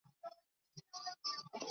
其胞兄为前中信鲸队外野手郭岱咏。